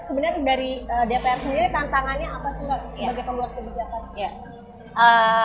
sebenarnya dari dpr sendiri tantangannya apa sih mbak sebagai pembuat kebijakan